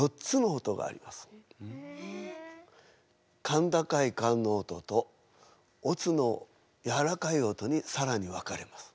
甲高い甲の音と乙のやわらかい音にさらに分かれます。